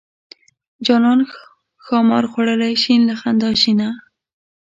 جانان ښامار خوړلی شین له خندا شینه.